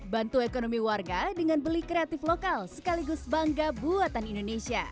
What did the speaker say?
bantu ekonomi warga dengan beli kreatif lokal sekaligus bangga buatan indonesia